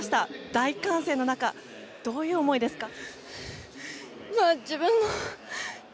大歓声の中どういう思いですか？